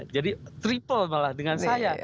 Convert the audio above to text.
jadi triple malah dengan saya